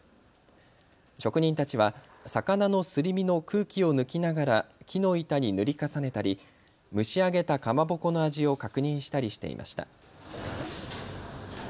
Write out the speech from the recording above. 職人たちは魚のすり身の空気を抜きながら木の板に塗り重ねたり蒸し上げたかまぼこの味を確認したりしていました。